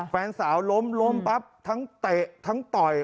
แฟนสาวล้มล้มปั๊บทั้งเตะทั้งต่อย